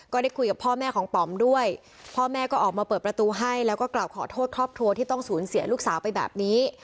ก็ได้คุยกับพ่อแม่ของป๋อมด้วยพ่อแม่ก็ออกมาเปิดประตูให้แล้วก็กล่าวขอโทษครอบครัวที่ต้องสูญเสียลูกสาวไปแบบนี้